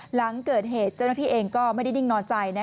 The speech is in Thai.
หลังเกิดเหตุเจ้าหน้าที่เองก็ไม่ได้นิ่งนอนใจ